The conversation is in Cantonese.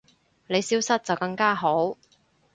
你消失就更加好